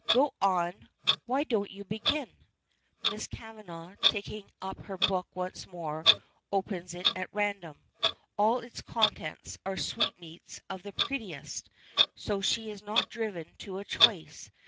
"Go on. Why don't you begin?" Miss Kavanagh, taking up her book once more, opens it at random. All its contents are sweetmeats of the prettiest, so she is not driven to a choice.